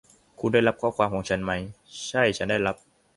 คุณได้รับข้อความของฉันไหม ? ใช่ ฉันได้รับ